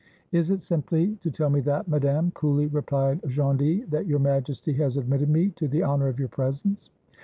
''Is it simply to tell me that, Madame," coolly replied Gondy, "that Your Majesty has admitted me to the honor of your presence?"